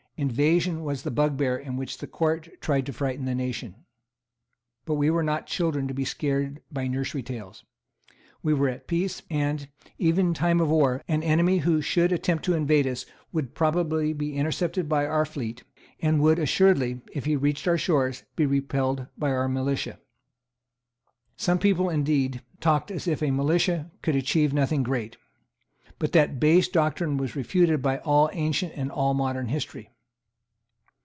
Invasion was the bugbear with which the Court tried to frighten the nation. But we were not children to be scared by nursery tales. We were at peace; and, even in time of war, an enemy who should attempt to invade us would probably be intercepted by our fleet, and would assuredly, if he reached our shores, be repelled by our militia. Some people indeed talked as if a militia could achieve nothing great. But that base doctrine was refuted by all ancient and all modern history.